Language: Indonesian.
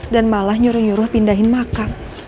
dan malah nyuruh nyuruh pindahin makam